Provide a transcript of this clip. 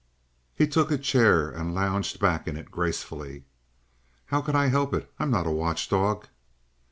He took a chair and lounged back in it gracefully. "How could I help it? I'm not a watchdog."